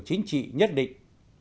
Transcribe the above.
chính trị nhất định